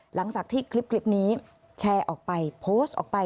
หลังจากที่คลิปนี้แชร์ออกไปโพสต์ออกไป